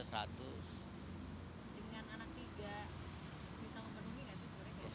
sebenarnya kalau mikirin bisa